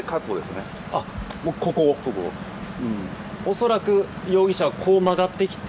恐らく、容疑者はこう曲がってきて。